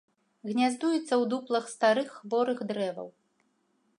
Гняздуецца ў дуплах старых хворых дрэваў.